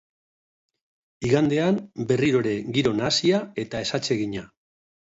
Igandean, berriro ere giro nahasia eta ezatsegina.